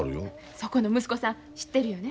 そこの息子さん知ってるよね？